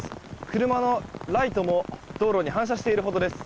車のライトも道路に反射しているほどです。